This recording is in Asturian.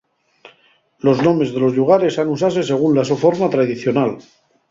Los nomes de los llugares han usase según la so forma tradicional.